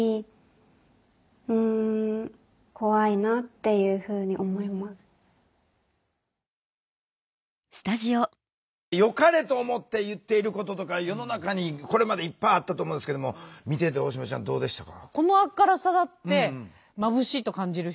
そういうふうによかれと思って言っていることとか世の中にこれまでいっぱいあったと思うんですけども見てて大島ちゃんどうでしたか？